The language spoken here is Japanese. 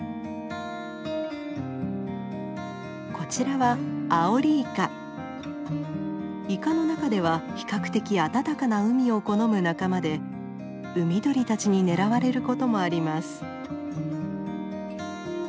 こちらはイカの中では比較的暖かな海を好む仲間で海鳥たちに狙われることもあります。